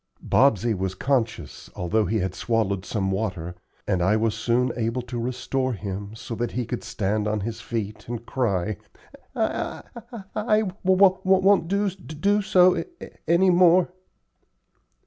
Bobsey was conscious, although he had swallowed some water, and I was soon able to restore him, so that he could stand on his feet and cry: "I I I w won't d do so any any more."